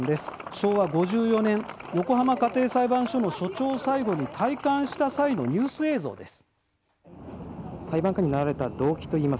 昭和５４年横浜家庭裁判所の所長を最後に退官した際のニュース映像です。